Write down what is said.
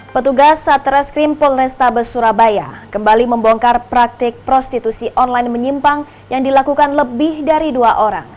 petugas satreskrim polrestabes surabaya kembali membongkar praktik prostitusi online menyimpang yang dilakukan lebih dari dua orang